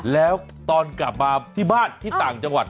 แล้วตอนกลับมาที่บ้านที่ต่างจังหวัด